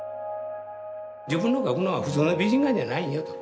自分の描くのは普通の美人画じゃないよと。